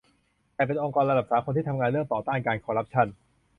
แต่เป็นองค์กรระดับสากลที่ทำงานเรื่องต่อต้านการคอร์รัปชั่น